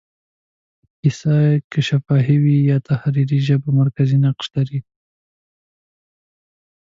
کیسه که شفاهي وي یا تحریري، ژبه مرکزي نقش لري.